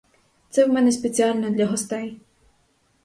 Це в мене спеціально для гостей.